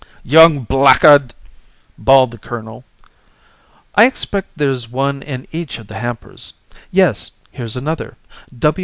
"Young blackguard!" bawled the colonel. "I expect there's one in each of the hampers. Yes; here's another.